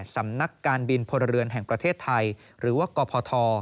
สำนักการบินพลเรือนแห่งประเทศไทยหรือว่ากพท